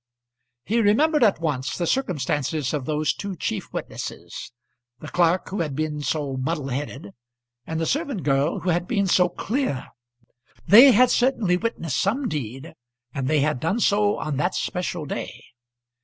He remembered at once the circumstances of those two chief witnesses, the clerk who had been so muddle headed, and the servant girl who had been so clear. They had certainly witnessed some deed, and they had done so on that special day.